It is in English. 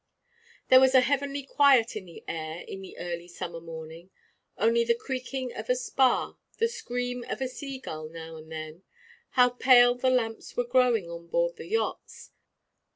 There was a heavenly quiet in the air in the early summer morning, only the creaking of a spar, the scream of a seagull now and then. How pale the lamps were growing on board the yachts.